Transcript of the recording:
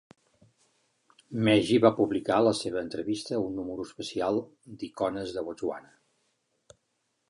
Mmegi va publicar la seva entrevista a un número especial d'"Icones de Botswana".